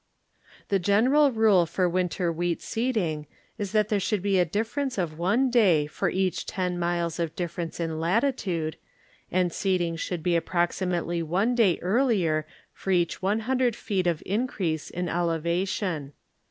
The general rule for winter wheat seeding is that there should be a differ ence of one day for each ten miles of difference in latitude, and seeding should be approximately one day earlier for each 100 feet of increase in elevation.